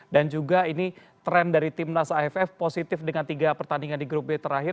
dan juga ini trend dari timnas ifm positif dengan tiga pertandingan di grup b terakhir